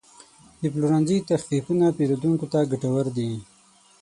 د پلورنځي تخفیفونه پیرودونکو ته ګټور دي.